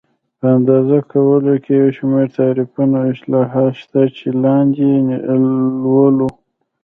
په اندازه کولو کې یو شمېر تعریفونه او اصلاحات شته چې لاندې یې لولو.